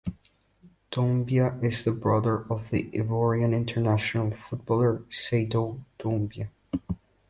Doumbia is the brother of the Ivorian international footballer Seydou Doumbia.